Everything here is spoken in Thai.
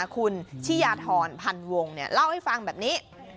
คุณชิยาธรพันวงเล่าให้ฟังแบบนี้